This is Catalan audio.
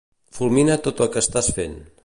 Fulmina tot el que estàs fent.